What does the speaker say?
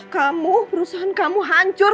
kamu perusahaan kamu hancur